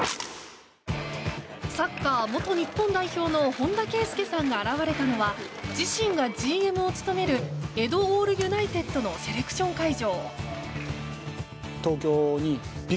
サッカー元日本代表の本田圭佑さんが現れたのは自身がＧＭを務めるＥＤＯＡＬＬＵＮＩＴＥＤのセレクション会場。